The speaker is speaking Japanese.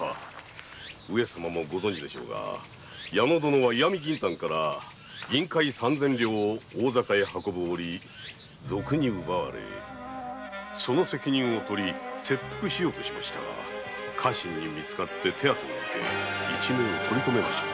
上様もご存知でしょうが矢野殿は石見銀山から銀塊三千両を大坂へ運ぶおり賊に奪われその責任をとり切腹しようとしましたが家臣にみつかって手当てを受け一命をとりとめました。